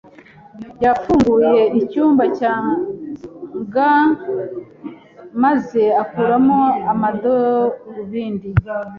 yafunguye icyumba cya gants maze akuramo amadarubindi.